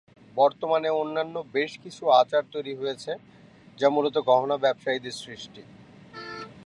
বর্তমানে অন্যান্য বেশকিছু আচার তৈরি হয়েছে, যা মূলত গহনা ব্যবসায়ীদের সৃষ্টি।